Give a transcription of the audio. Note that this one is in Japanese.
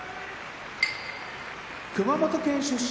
熊本県出身